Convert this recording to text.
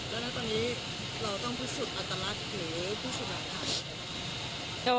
แล้วตอนนี้เราต้องพูดสุดอัตรรัสหรือพูดสุดอัตรรัส